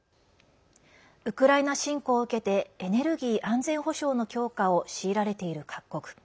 ウクライナ侵攻を受けてエネルギー安全保障の強化を強いられている各国。